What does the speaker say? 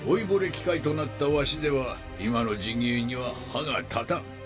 機械となったワシでは今のジギーには歯が立たん。